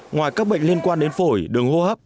ngoài các bệnh liên quan đến phổi đường hô hấp